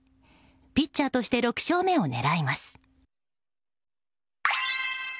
ピッチャーとして６勝目を狙います。